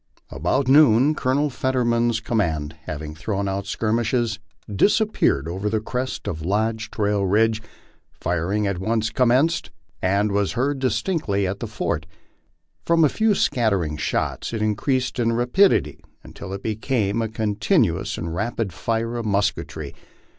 About noon Colonel Fetterman's" com mand, having thrown out skirmishers, disappeared over the crest of Lodge Trail ridge ; firing at once commenced and was heard distinctly at the fort. From a few scattering shots it increased in rapidity until it became a contin uous and rapid fire of musketry.